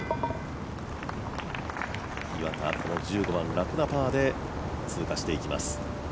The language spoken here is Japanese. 岩田、この１５番楽なパーで通過していきます。